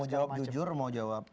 mau jawab jujur mau jawab